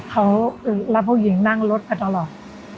เขาเอ่อรับผู้หญิงนั่งรถกันตลอด